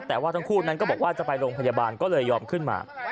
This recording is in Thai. แต่ว่าทั้งคู่นั้นก็บอกว่าจะไปโรงพยาบาลก็เลยยอมขึ้นมา